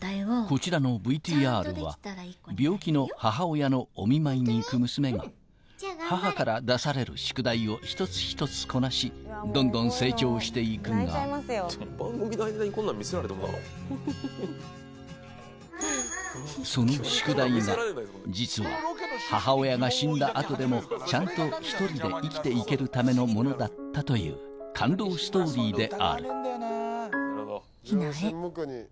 こちらのＶＴＲは病気の母親のお見舞いに行く娘が母から出される宿題を一つ一つこなしどんどん成長して行くがその宿題が実は母親が死んだ後でもちゃんと１人で生きて行けるためのものだったという感動ストーリーである「ひなへ。